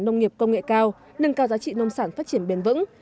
nông nghiệp công nghệ cao nâng cao giá trị nông sản phát triển bền vững